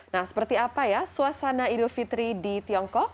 nah seperti apa ya suasana idul fitri di tiongkok